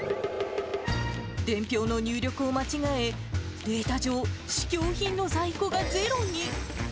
伝票の入力を間違え、データ上、試供品の在庫がゼロに。